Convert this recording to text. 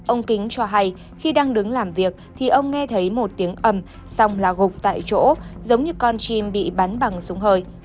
ông kính cho hay khi đang đứng làm việc thì ông nghe thấy một tiếng âm xong là gục tại chỗ giống như con chim bị bắn bằng súng hơi